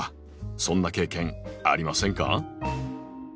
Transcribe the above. そんな経験ありませんか？